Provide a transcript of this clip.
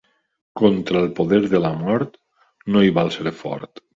Contra el poder de la mort, no hi val ser fort.